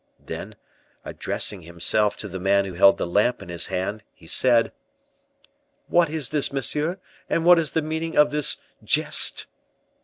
Then, addressing himself to the man who held the lamp in his hand, he said: "What is this, monsieur, and what is the meaning of this jest?"